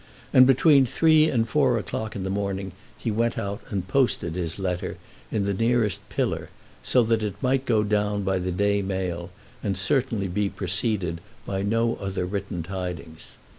And between three and four o'clock in the morning he went out and posted his letter in the nearest pillar, so that it might go down by the day mail and certainly be preceded by no other written tidings.